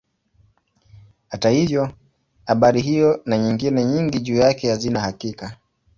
Hata hivyo habari hiyo na nyingine nyingi juu yake hazina hakika.